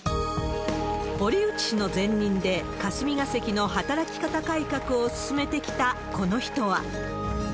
堀内氏の前任で、霞が関の働き方改革を進めてきたこの人は。